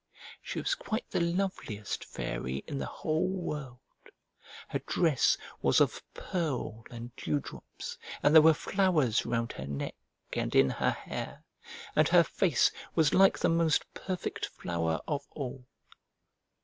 She was quite the loveliest fairy in the whole world. Her dress was of pearl and dew drops, and there were flowers round her neck and in her hair, and her face was like the most perfect flower of all.